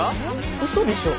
うそでしょう？